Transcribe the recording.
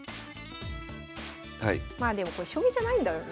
まあでもこれ将棋じゃないんだよな。